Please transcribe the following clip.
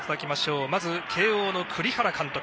まず慶応の栗原監督。